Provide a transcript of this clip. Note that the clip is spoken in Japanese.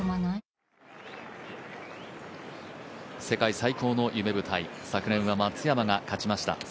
世界最高の夢舞台、昨年は松山が勝ちました。